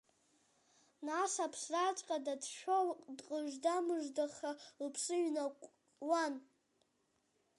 Нас аԥсраҵәҟьа дацәшәо, дҟыжда-мыждаха лԥсы ҩнаҟәкуан.